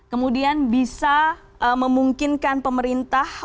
kemudian bisa memungkinkan pemerintah